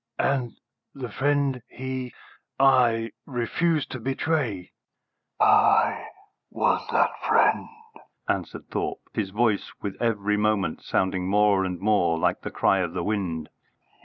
"And the friend he I refused to betray?" "I was that friend," answered Thorpe, his voice with every moment sounding more and more like the cry of the wind.